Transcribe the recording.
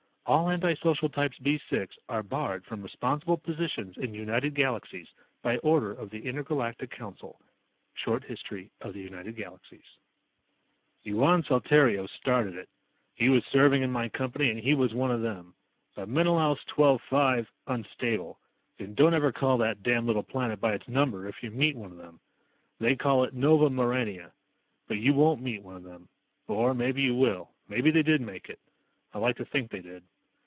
All anti social types B 6 are barred from responsible positions in United Galaxies by order of the Inter Galactic Council._ Short History of The United Galaxies Yuan Saltario started it. He was serving in my Company and he was one of them. A Menelaus XII 5 "unstable," and don't ever call that damned little planet by its number if you meet one of them. They call it Nova Maurania. But you won't meet one of them. Or maybe you will, maybe they did make it. I like to think they did.